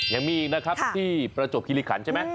ยังมีอีกนะครับที่ประจวบคิริขันใช่ไหม